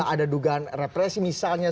ada dugaan represi misalnya